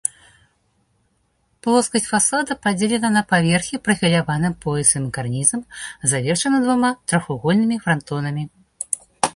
Плоскасць фасада падзелена на паверхі прафіляваным поясам і карнізам, завершана двума трохвугольнымі франтонамі.